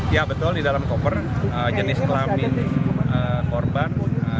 ya betul di dalam koper jenis kelamin korban